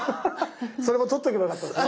それもとっとけばよかったですね。